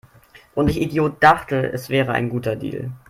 Und ich Idiot dachte, es wäre ein guter Deal!